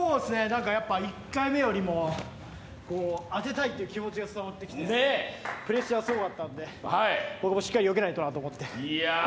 １回目よりも当てたいという気持ちが伝わってきてプレッシャーがすごかったので僕もしっかりよけないとと思って。